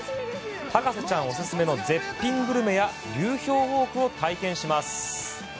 博士ちゃんオススメの絶品グルメや流氷ウォークを体験します！